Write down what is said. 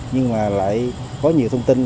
nhưng mà lại có nhiều thông tin